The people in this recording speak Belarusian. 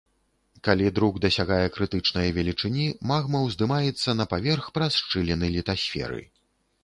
Калі друк дасягае крытычнай велічыні, магма ўздымаецца на паверх праз шчыліны літасферы.